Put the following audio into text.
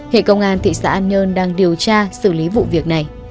hệ công an thị xã an nhơn đang điều tra xử lý vụ việc này